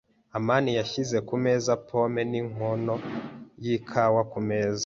amani yashyize kumeza pome ninkono yikawa kumeza.